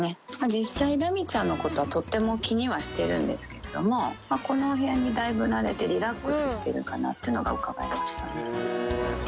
実際、ラミちゃんのことはとっても気にはしてるんですけれども、このお部屋にだいぶなれてリラックスしてるかなっていうのがうかがえますよね。